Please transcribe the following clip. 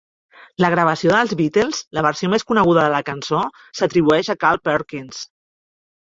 La gravació dels Beatles, la versió més coneguda de la cançó, s'atribueix a Carl Perkins.